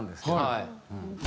はい。